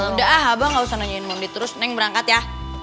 udah abah nggak usah nanyain minggit terus neng berangkat ya